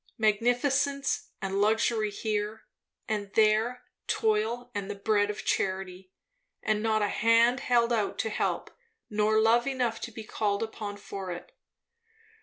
Magnificence and luxury here; and there toil and the bread of charity. And not a hand held out to help, nor love enough to be called upon for it.